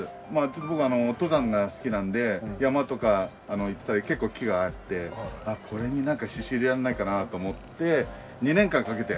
僕登山が好きなんで山とか行ったり結構木があってこれになんか刺繍入れられないかなと思って２年間かけて。